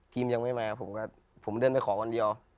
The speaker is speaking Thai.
ทีมยังไม่มาผมเดินไปขอวันเดียว